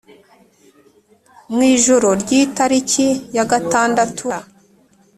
Mu ijoro ry’Itariki ya gatandatu Mata